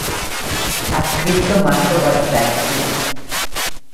Ha scritto Marco Valsecchi.